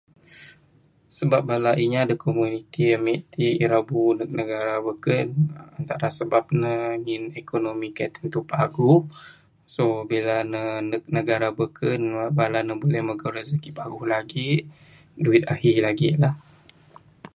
Sebab bala inya da komuniti amik tik ira buhu ndug negara beken, antara sebab ne ngin ekonomi kai' tentu paguh. So, bila ne ndug negara beken, bala ne buleh magau rezeki bauh lagik. Duit ahi lagik lah.